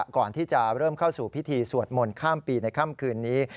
ก่อนที่จะเริ่มเข้าสู่พิธีสวดมนต์ข้ามปีในค่ำคืนนี้